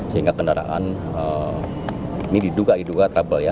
sehingga kendaraan ini diduga diduga trouble ya